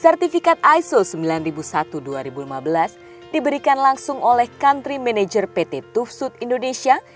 sertifikat iso sembilan ribu satu dua ribu lima belas diberikan langsung oleh country manager pt tufsut indonesia